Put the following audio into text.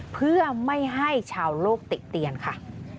เพื่อไม่ให้ชาวโลกติเตียนค่ะ